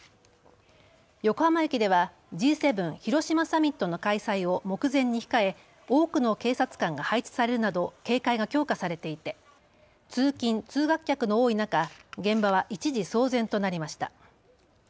横浜駅ではＧ７広島サミットの開催を目前に控え多くの警察官が配置されるなど警戒が強化されていて通勤・通学客の多い中、現場は一時、騒然となりました。